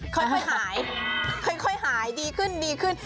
ค่อยหายค่อยหายดีขึ้น